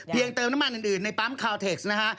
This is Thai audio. เพียงเติมน้ำมันอื่นในปั๊มคาเทคพิเศษนะฮะ